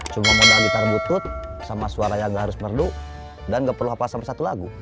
cuma modal gitar butut sama suara yang gak harus merdu dan gak perlu apa apa sama satu lagu